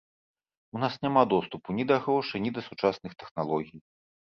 У нас няма доступу ні да грошай, ні да сучасных тэхналогій.